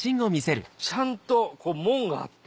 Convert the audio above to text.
ちゃんと門があって。